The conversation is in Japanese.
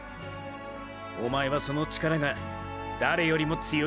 おまえはその力が誰よりも強いショ。